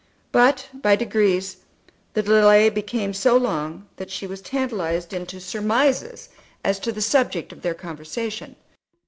But by degrees the delay became so long that she was tantalized into surmises as to the subject of their conversation.